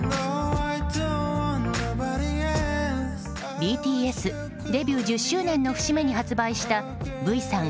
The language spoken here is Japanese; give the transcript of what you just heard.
ＢＴＳデビュー１０周年の節目に発売したＶさん